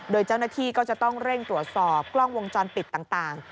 โดยเจ้าหน้าที่ก็จะต้องเร่งตรวจสอบกล้องวงจรปิดต่าง